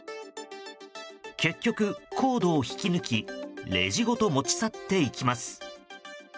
結局、コードを引き抜きレジごと持ち去っていきます。